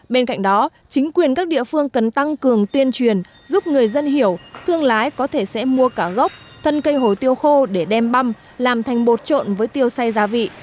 bên cạnh đó chính quyền các địa phương cần tăng cường tuyên truyền giúp người dân hiểu thương lái có thể sẽ mua cả gốc thân cây hồ tiêu khô để đem băm làm thành bột trộn với tiêu say gia vị